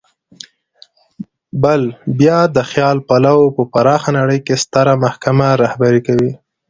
بل بیا د خیال پلو په پراخه نړۍ کې ستره محکمه رهبري کوي.